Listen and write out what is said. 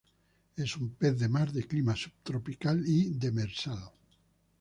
Es un pez de mar de clima subtropical y demersal.